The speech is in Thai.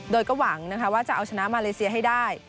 โดยก็หวังนะคะว่าจะเอาชนะมาเลเซียให้ได้